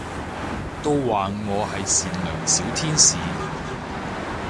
都話我係善良小天使